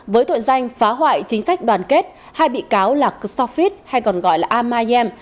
với tội danh phá hoại chính sách đoàn kết hai bị cáo là custophit hay còn gọi là amayem